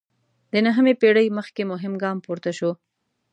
د نهمې پېړۍ مخکې مهم ګام پورته شو.